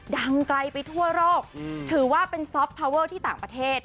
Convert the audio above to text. ดังไกลไปทั่วโลกถือว่าเป็นที่ต่างประเทศ